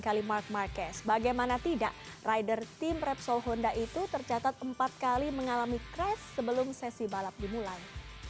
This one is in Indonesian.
kali mark marquez bagaimana tidak rider tim repsol honda itu tercatat empat kali mengalami crash sebelum sesi balap dimulai